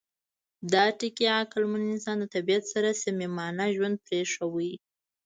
دا ټکي عقلمن انسان د طبیعت سره صمیمانه ژوند پرېښود.